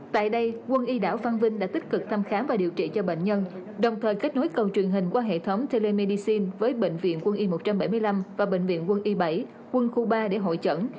tại đây quân y đảo phan vinh đã tích cực thăm khám và điều trị cho bệnh nhân đồng thời kết nối cầu truyền hình qua hệ thống telemedicine với bệnh viện quân y một trăm bảy mươi năm và bệnh viện quân y bảy quân khu ba để hội trận